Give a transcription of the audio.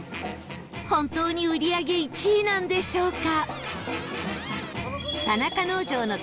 本当に売り上げ１位なんでしょうか？